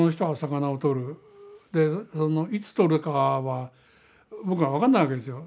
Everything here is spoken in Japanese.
でそのいつとるかは僕は分かんないわけですよ。